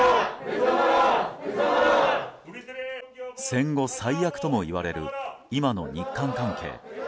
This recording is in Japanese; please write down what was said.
戦後最悪とも言われる今の日韓関係。